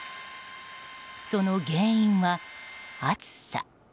その原因は暑さ。